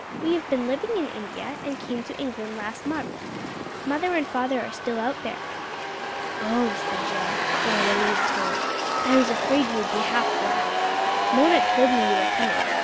"We have been living in India and came to England last month. Mother and father are still out there." "Oh," said Jill in a relieved tone: "I was afraid you would be half black. Mona told me you were coming.